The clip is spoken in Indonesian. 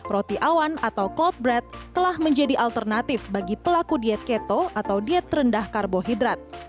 roti awan atau cloud bread telah menjadi alternatif bagi pelaku diet keto atau diet terendah karbohidrat